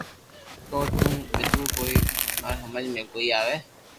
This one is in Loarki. ڪو تو ووندو ٻيئي يار ھمج مي ڪوئي آوي